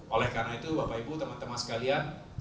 oleh karena itu bapak ibu teman teman sekalian